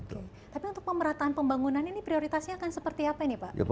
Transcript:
tapi untuk pemerataan pembangunan ini prioritasnya apa